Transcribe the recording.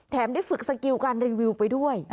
ได้ฝึกสกิลการรีวิวไปด้วย